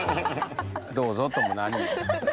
どうぞとも何も。